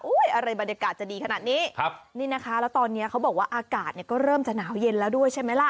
อะไรบรรยากาศจะดีขนาดนี้ครับนี่นะคะแล้วตอนนี้เขาบอกว่าอากาศเนี่ยก็เริ่มจะหนาวเย็นแล้วด้วยใช่ไหมล่ะ